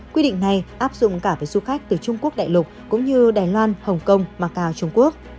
quy định này áp dụng cả với du khách từ trung quốc đại lục cũng như đài loan hồng kông macau trung quốc